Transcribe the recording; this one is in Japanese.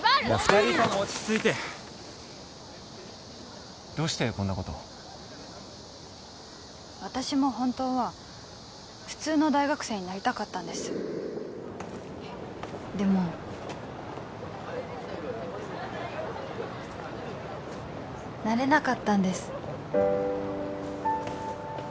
２人とも落ち着いてどうしてこんなこと私も本当は普通の大学生になりたかったんですでもなれなかったんです